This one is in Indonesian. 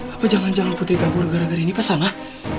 apa jangan jangan putri gak boleh gara gara ini pesan ah